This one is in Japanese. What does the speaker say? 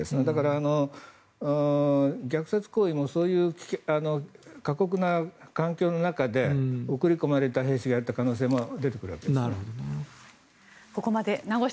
だから、虐殺行為もそういう過酷な環境の中で送り込まれた兵士がやった可能性も出てくるわけですね。